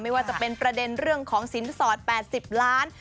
ไม่ว่าจะเป็นประเด็นเรื่องของสินสอด๘๐ล้าน